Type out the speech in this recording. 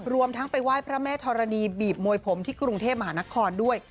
รวมทั้งไปไหว้พระแม่ธรณีบีบมวยผมที่กรุงเทพมหานครด้วย